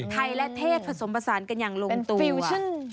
ไทยและเทศผสมผสานกันอย่างลงตัวฟิวชั่น